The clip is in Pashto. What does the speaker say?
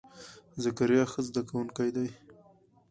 ذکریا ښه زده کونکی دی.